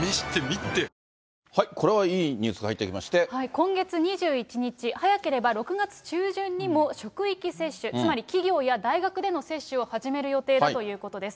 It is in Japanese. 今月２１日、早ければ６月中旬にも職域接種、つまり企業や大学での接種を始める予定だということです。